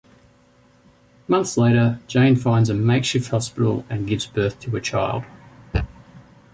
Months later, Jane finds a makeshift hospital and gives birth to a child.